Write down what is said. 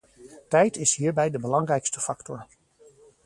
Tijd is hierbij de belangrijkste factor.